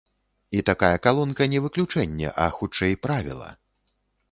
І такая калонка не выключэнне, а, хутчэй, правіла.